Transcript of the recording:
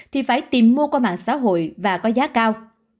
thì phải tìm mua qua mạng xã hội và có giá cao